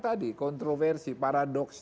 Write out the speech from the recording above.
tadi kontroversi paradoks